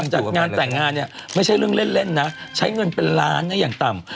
จัดงานแต่งงานเนี่ยไม่ใช่เรื่องเล่นนะใช้เงินเป็นล้านนะอย่างต่ำ